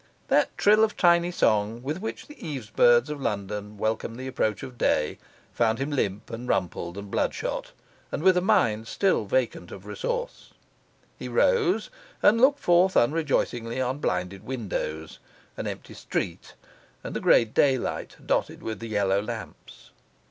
That trill of tiny song with which the eaves birds of London welcome the approach of day found him limp and rumpled and bloodshot, and with a mind still vacant of resource. He rose and looked forth unrejoicingly on blinded windows, an empty street, and the grey daylight dotted with the yellow lamps.